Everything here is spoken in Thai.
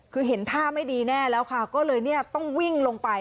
คือเห็นท่าไม่ดีแน่แล้วค่ะก็เลยเนี่ยต้องวิ่งลงไป